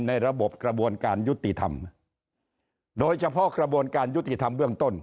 ในระบบกระบวนการยุติธรรมโดยเฉพาะกระบวนการยุติธรรมเบื้องต้น